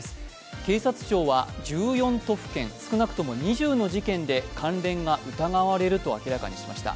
警察庁は１４都府県少なくとも２０の事件で関連が疑われると明らかにしました。